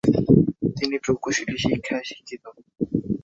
তিনি প্রকৌশলী শিক্ষায় শিক্ষিত।